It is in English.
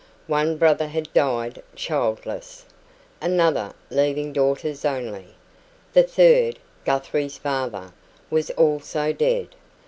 One brother had died childless; another leaving daughters only; the third, Guthrie's father, was also dead.